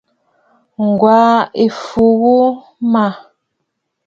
Ŋ̀gwàʼà ɨ fu ghu maʼà.